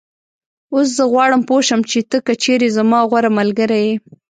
اوس زه غواړم پوی شم چې ته که چېرې زما غوره ملګری یې